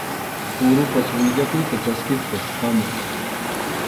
Kurapas willakuyta chaskispas hamun.